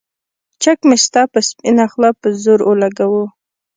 چک مې ستا پۀ سپينه خله پۀ زور اولګوو